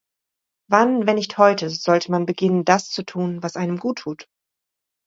Wann, wenn nicht heute, sollte man beginnen, das zu tun, was einem guttut?